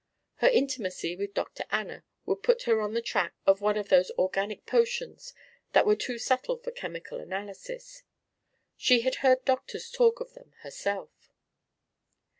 Her intimacy with Dr. Anna would put her on the track of one of those organic potions that were too subtle for chemical analysis. She had heard doctors talk of them herself.